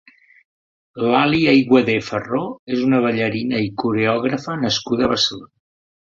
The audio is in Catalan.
Lali Ayguadé Farró és una ballarina i coreògrafa nascuda a Barcelona.